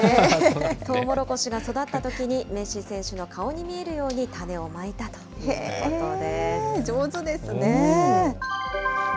トウモロコシが育ったときに、メッシ選手の顔に見えるように種を上手ですね。